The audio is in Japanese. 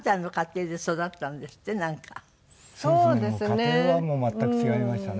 家庭はもう全く違いましたね。